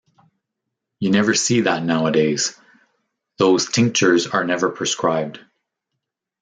You never see that nowadays; those tinctures are never prescribed.